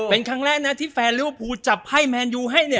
เป็นครั้งแรกนะที่แฟนเรียกว่าพูชจับให้แมนยูให้เนี้ย